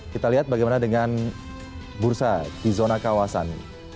kita lihat bagaimana dengan bursa di zona kawasan